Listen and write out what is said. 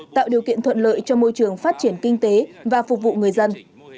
tạo điều kiện thuận lợi cho môi trường phát triển kinh tế và phục vụ người dân